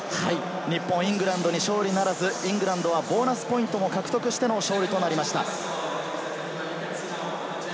日本、イングランドに勝利ならずイングランドはボーナスポイントを獲得しての勝利となりました。